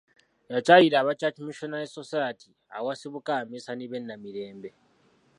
Yakyalira aba Church Missionary Society awasibuka Abaminsani b'e Namirembe.